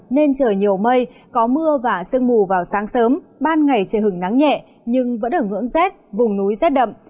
nên trời nhiều mây có mưa và sương mù vào sáng sớm ban ngày trời hứng nắng nhẹ nhưng vẫn ở ngưỡng rét vùng núi rét đậm